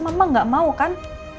mama gak mau kan